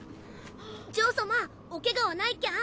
ジョー様おケガはないキャン？